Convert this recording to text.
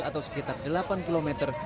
atau sekitar delapan kilometer